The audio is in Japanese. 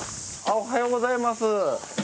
おはようございます。